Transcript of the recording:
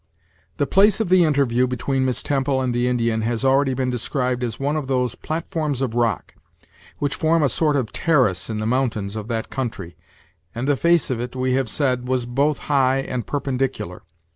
The place of the interview between Miss Temple and the Indian has already been described as one of those platforms of rock, which form a sort of terrace in the mountains of that country, and the face of it, we have said, was both high and perpendicular.